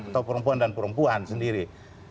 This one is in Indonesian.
atau perempuan dan perempuan sendiri